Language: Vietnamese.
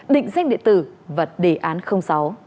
định danh địa tử và đề án sáu